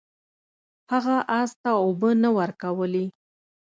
هغه اس ته اوبه نه ورکولې.